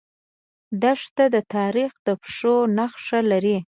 دښته د تاریخ د پښو نخښه لري.